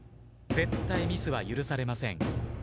絶対ミスは許されません。